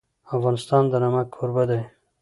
افغانستان د نمک کوربه دی.